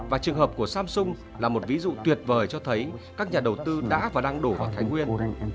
và trường hợp của samsung là một ví dụ tuyệt vời cho thấy các nhà đầu tư đã và đang đổ vào thái nguyên